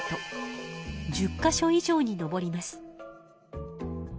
１０か所以上に上ります。